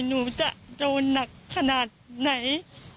หนูจะโดนหนักขนาดไหน